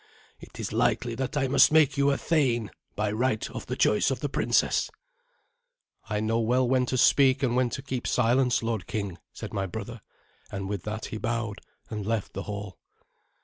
It is likely that I must make you a thane, by right of the choice of the princess." "I know well when to speak and when to keep silence, lord king," said my brother, and with that he bowed and left the hall.